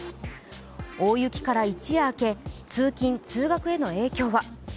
大雪から一夜明け通勤・通学への影響は。